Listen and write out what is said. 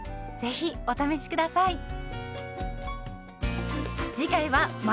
ぜひお試し下さい。